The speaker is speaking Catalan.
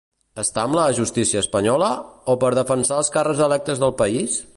Està amb la justícia espanyola o per defensar els càrrecs electes del país?